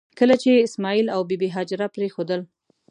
کله چې یې اسماعیل او بي بي هاجره پرېښودل.